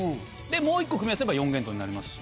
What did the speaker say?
もう１個組み合わせれば四元豚になりますし。